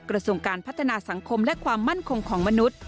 กระทรวงการพัฒนาสังคมและความมั่นคงของมนุษย์